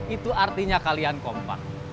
itu artinya kalian kompak